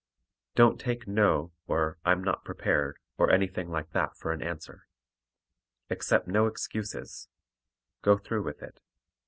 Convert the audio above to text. Don't take "no" or "I'm not prepared" or anything like that for an answer. Accept no excuses; go through with it.